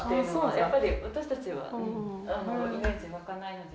やっぱり私たちはイメージ湧かないので。